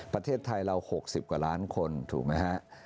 ประเทศไทยเรา๖๐กว่าล้านคนถูกไหมฮะ